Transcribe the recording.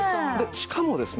しかもですね